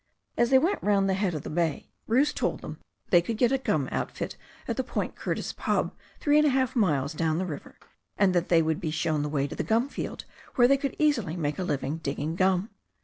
As they went round the head of the bay Bruce told them they could get a gum out fit at the Point Curtis pub, three and a half miles down the river, and that they would be shown the way to the gum field where they could easily make a living digging gum.